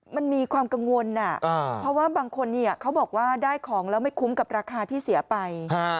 มันมีความกังวลเพราะว่าบางคนเขาบอกว่าได้ของแล้วไม่คุ้มกับราคาที่เสียไป